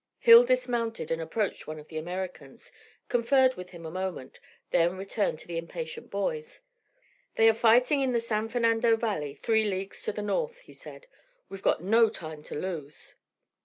Hill dismounted and approached one of the Americans, conferred with him a moment, then returned to the impatient boys. "They are fightin' in the San Fernando valley, three leagues to the north," he said. "We've got no time to lose."